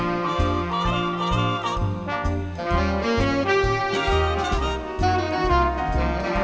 และจะรอดถึง๗๘ยาว